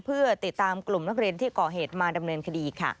เพื่อติดตามกลุ่มนักเรียนที่ก่อเหตุมาดำเนินคดีค่ะ